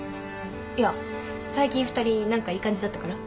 いや最近２人何かいい感じだったから。